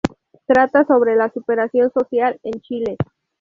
Trata sobre la superación social en Chile.